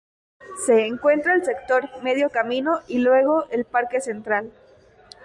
Se encuentra el sector Medio Camino y luego el parque Central.